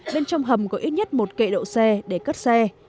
bên trong hầm có ít nhất một kệ độ xe để cất xe